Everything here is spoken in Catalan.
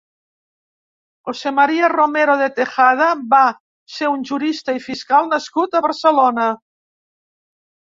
José María Romero de Tejada va ser un jurista i fiscal nascut a Barcelona.